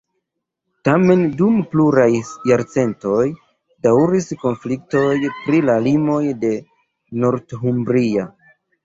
Tamen dum pluraj jarcentoj daŭris konfliktoj pri la limoj de Northumbria.